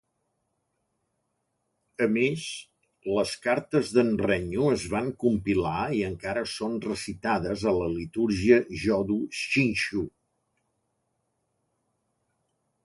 A més, les cartes de"n Rennyo es van compilar i encara són recitades a la litúrgia Jodo Shinshu.